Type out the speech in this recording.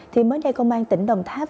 thì mới đây công an tỉnh đồng tháp